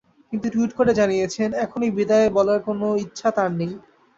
কিন্তু টুইট করে জানিয়েছেন, এখনই বিদায় বলার কোনো ইচ্ছা তাঁর নেই।